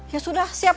ya sudah siap